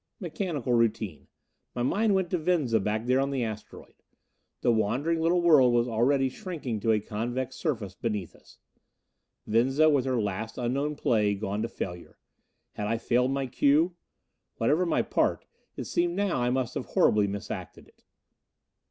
Mechanical routine. My mind went to Venza, back there on the asteroid. The wandering little world was already shrinking to a convex surface beneath us. Venza, with her last unknown play, gone to failure. Had I failed my cue? Whatever my part, it seemed now that I must have horribly mis acted it.